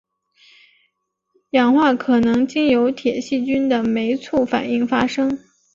氧化可能经由铁细菌的酶促反应发生。